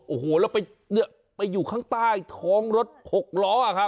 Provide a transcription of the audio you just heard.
โอ้โหแล้วไปอยู่ข้างใต้ท้องรถ๖ล้อครับ